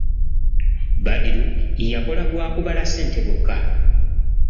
Badru yakola gwa kubala ssente gwokka.